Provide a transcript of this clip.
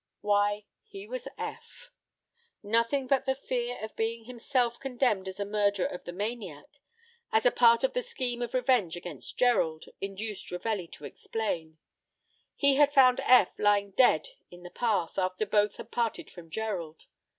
Why, he was Eph. Nothing but the fear of being himself condemned as a murderer of the maniac, as a part of the scheme of revenge against Gerald, induced Ravelli to explain. He had found Eph lying dead in the path, after both had parted from Gerald.